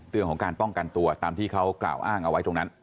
เรื่องของการป้องกันตัวตามที่เขากล่าวอ้างเอาไว้ตรงนั้น